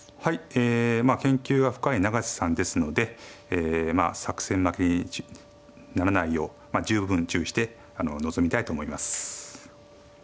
え研究が深い永瀬さんですので作戦負けにならないよう十分注意して臨みたいと思います。